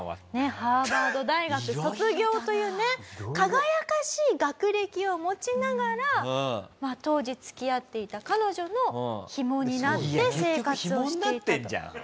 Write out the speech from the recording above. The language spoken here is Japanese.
ハーバード大学卒業というね輝かしい学歴を持ちながら当時付き合っていた彼女のヒモになって生活をしていたと。